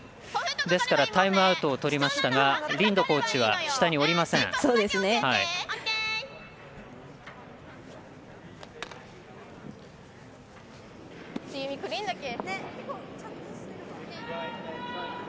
ですからタイムアウトをとりましたがリンドコーチは下に下りません。